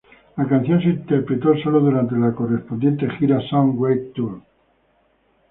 La canción se interpretó sólo durante la correspondiente gira "Some Great Tour".